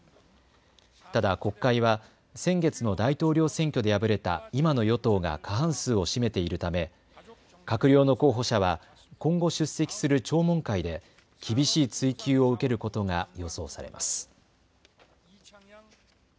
ただ国会は先月の大統領選挙で敗れた今の与党が過半数を占めているため閣僚の候補者は今後、出席する聴聞会で厳しい追及を受けることが予想されます。